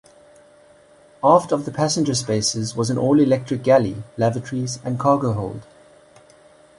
Aft of the passenger spaces was an all-electric galley, lavatories, and cargo hold.